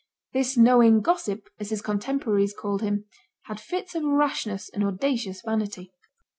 This knowing gossip, as his contemporaries called him, had fits of rashness and audacious vanity.